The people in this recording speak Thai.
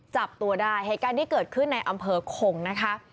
จับตัวได้เหตุการณ์ที่เกิดขึ้นในอำเภอคงนะคะ